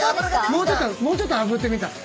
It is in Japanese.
もうちょっともうちょっとあぶってみたら？